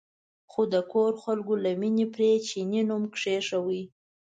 خو د کور خلکو له مینې پرې چیني نوم کېښود.